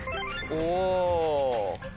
お！